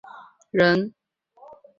当一个善良的人